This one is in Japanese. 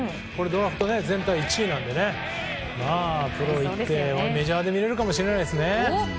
ドラフト全体１位なのでプロに行ってメジャーでも見られるかもしれないですね。